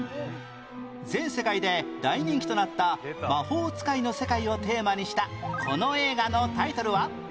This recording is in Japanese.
全世界で大人気となった魔法使いの世界をテーマにしたこの映画のタイトルは？